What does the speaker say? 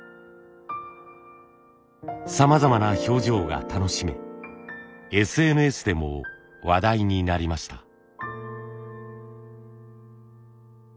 さまざまな表情が楽しめＳＮＳでも話題になりました。